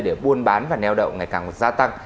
để buôn bán và neo đậu ngày càng gia tăng